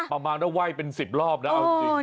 ประมาณว่าไหว้เป็น๑๐รอบนะเอาจริง